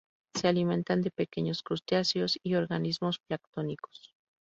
Se alimentan de pequeños crustáceos y organismos planctónicos.